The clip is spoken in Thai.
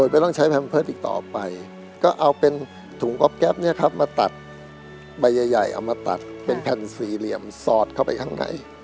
ใบใหญ่เอามาตัดเป็นแผ่นสี่เหลี่ยมสอดเข้าไปข้างใน